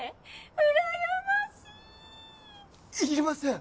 うらやましい！いりません。